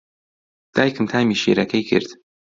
دایکم تامی شیرەکەی کرد.